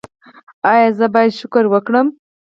ایا زه باید شکر وکړم؟